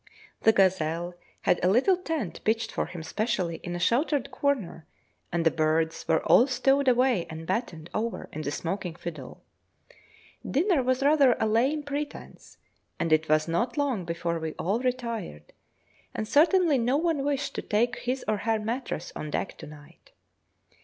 The gazelle had a little tent pitched for him specially in a sheltered corner, and the birds were all stowed away and battened over in the smoking fiddle. Dinner was rather a lame pretence, and it was not long before we all retired, and certainly no one wished to take his or her mattress on deck to night.